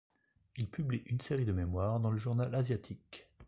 Il publie une série de mémoires dans le Journal asiatique.